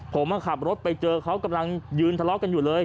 ผมขับรถไปเจอเขากำลังยืนทะเลาะกันอยู่เลย